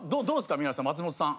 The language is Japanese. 宮根さん松本さん。